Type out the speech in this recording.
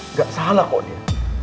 nggak salah kok dia